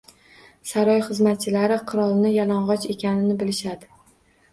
Saroy xizmatchilari qirolning yalong‘och ekanini bilishadi